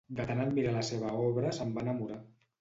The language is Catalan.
De tant admirar la seva obra se'n va enamorar.